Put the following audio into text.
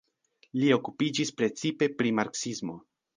Li okupiĝis precipe pri marksismo.